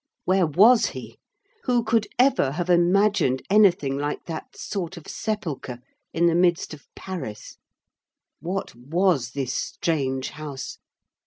Where was he? Who could ever have imagined anything like that sort of sepulchre in the midst of Paris! What was this strange house?